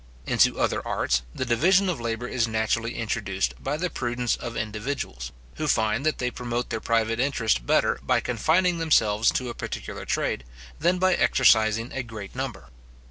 Into other arts, the division of labour is naturally introduced by the prudence of individuals, who find that they promote their private interest better by confining themselves to a particular trade, than by exercising a great number.